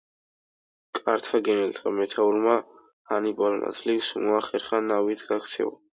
კართაგენელთა მეთაურმა ჰანიბალმა ძლივს მოახერხა ნავით გაქცევა.